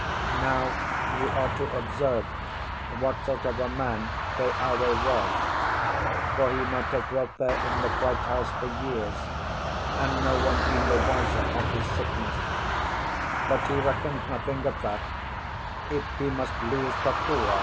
Now you are to observe what sort of a man Keawe was, for he might have dwelt there in the Bright House for years, and no one been the wiser of his sickness; but he reckoned nothing of that, if he must lose Kokua.